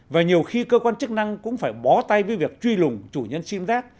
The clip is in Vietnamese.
và nhiều khi cơ quan chức năng cũng phải bó tay với việc truy lùng chủ nhân sim giác